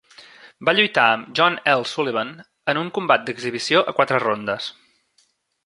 Va lluitar amb John L. Sullivan en un combat d'exhibició a quatre rondes.